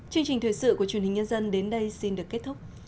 chương trình thời sự của truyền hình nhân dân đến đây xin được kết thúc